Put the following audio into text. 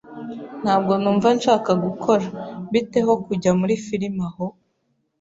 Ntabwo numva nshaka gukora .Bite ho kujya muri firime aho?